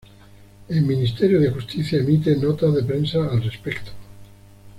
En Ministerio de Justicia emite nota de prensa al respecto.